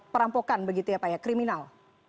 perampokan begitu ya pak ya kriminal